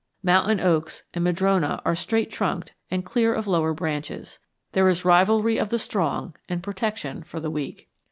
Mountain oaks and madrona are straight trunked and clear of lower branches. There is rivalry of the strong and protection for the weak.